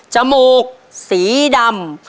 จมูกสีดำ